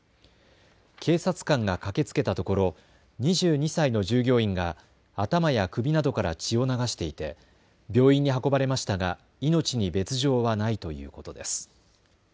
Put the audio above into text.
警察官が駆けつけたところ２２歳の従業員が頭や首などから血を流していて病院に運ばれましたが命に別状はないということです。